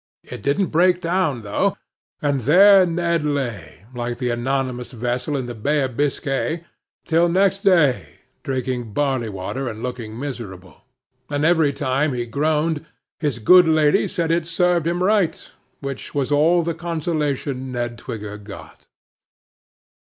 It didn't break down though; and there Ned lay, like the anonymous vessel in the Bay of Biscay, till next day, drinking barley water, and looking miserable: and every time he groaned, his good lady said it served him right, which was all the consolation Ned Twigger got.